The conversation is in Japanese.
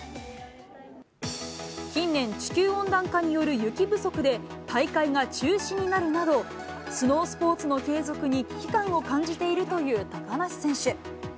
近年、地球温暖化による雪不足で、大会が中止になるなど、スノースポーツの継続に危機感を感じているという高梨選手。